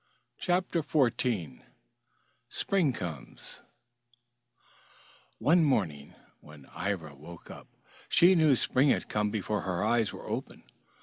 CHAPTER XIV SPRING COMES One morning when Ivra woke up she knew spring had come before her eyes were open.